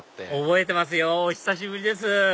覚えてますよお久しぶりです